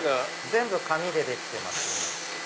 全部紙でできてます。